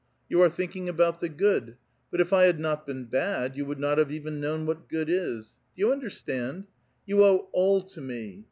You are thinking about the good ; but if I had not been bad, you would not have even known what good is. Do you understand? You owe ALL to me.